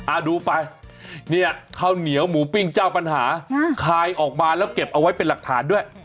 ดูไปเนี่ยข้าวเหนียวหมูปิ้งเจ้าปัญหาคายออกมาแล้วเก็บเอาไว้เป็นหลักฐานด้วย